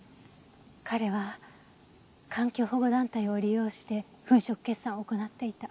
彼は環境保護団体を利用して粉飾決算を行っていた。